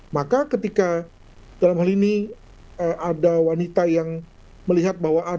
maka ketika dalam hal ini ada wanita yang melihat bahwa ada